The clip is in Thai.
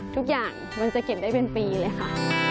ทุกอย่างมันจะเก็บได้เป็นปีเลยค่ะ